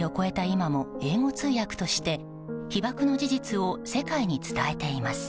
今も英語通訳として被爆の事実を世界に伝えています。